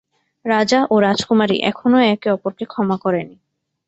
রাজা ও রাজকুমারী এখনও একে অপরকে ক্ষমা করেনি।